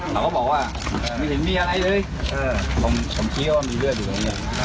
เราก็บอกว่าไม่เห็นมีอะไรเลยผมคิดว่ามีเลือดอยู่ตรงนี้